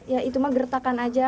ya itu mah gertakan aja